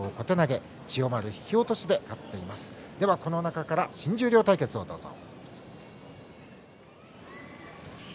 この中から新十両対決をどうぞ。